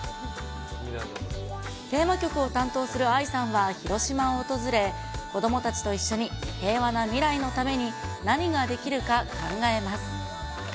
テーマ曲を担当するＡＩさんは、広島を訪れ、子どもたちと一緒に平和な未来のために何ができるか考えます。